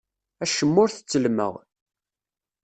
Acemma ur t-ttellmeɣ.